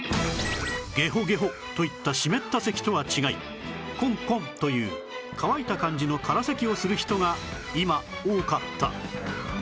ゲホゲホといった湿った咳とは違いコンコンという乾いた感じの空咳をする人が今多かった